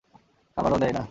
খাবারও দেয় না।